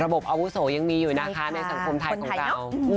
อาวุโสยังมีอยู่นะคะในสังคมไทยของเรา